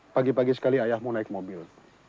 yang aku tahu pagi pagi sekali ayahmu naik mobil